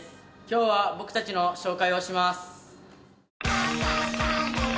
今日は僕たちの紹介をします。